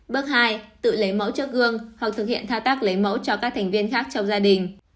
bước hai tự lấy mẫu chất gương hoặc thực hiện thao tác lấy mẫu cho các thành viên khác trong gia đình